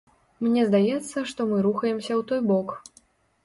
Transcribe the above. Мне здаецца, што мы рухаемся ў той бок.